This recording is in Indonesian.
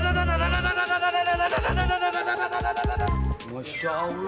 tidak tidak tidak tidak